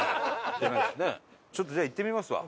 ちょっとじゃあ行ってみますわ。